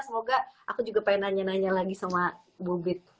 semoga aku juga pengen nanya nanya lagi sama bubit